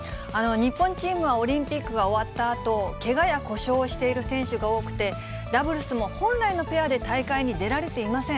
日本チームはオリンピックが終わったあと、けがや故障をしている選手が多くて、ダブルスも本来のペアで大会に出られていません。